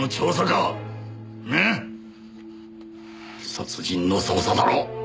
殺人の捜査だろう！